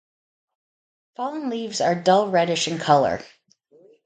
Fallen leaves are dull reddish in colour.